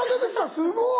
すごい！